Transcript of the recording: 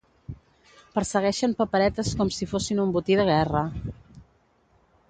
Persegueixen paperetes com si fossin un botí de guerra.